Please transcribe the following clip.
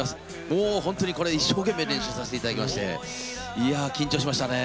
もう本当にこれ一生懸命練習させて頂きましていや緊張しましたね。